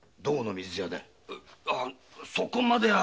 イヤそこまでは。